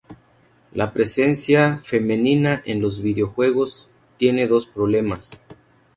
la presencia femenina en los videojuegos tiene dos problemas